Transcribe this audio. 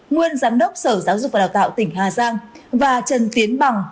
nguyên giám đốc sở giáo dục và đào tạo tỉnh hà giang và trần tiến bằng